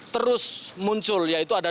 terus muncul yaitu ada